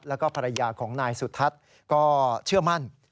แล้วก็ภรรยาของนายสุทัศน์ก็เชื่อมั่น